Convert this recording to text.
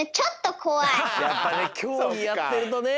やっぱねきょうぎやってるとねえ。